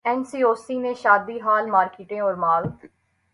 N C O C نے شادی hall, markets اور مال